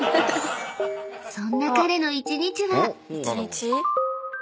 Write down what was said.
［そんな彼の一日は］